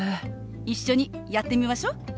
一緒にやってみましょう。